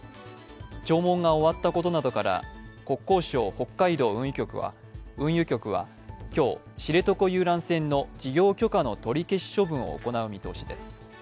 聴聞が終わったことなどから国交省北海道運輸局は今日、知床遊覧船の事業許可の取り消し処分を行う見通しです。